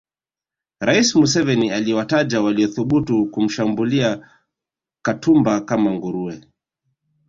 Rais Museveni amewataja waliothubutu kumshambulia Katumba kama nguruwe